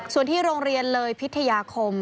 ส่วนที่โรงเรียนเลยพิทยาคม